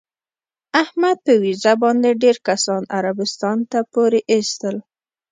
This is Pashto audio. احمد په ویزه باندې ډېر کسان عربستان ته پورې ایستل.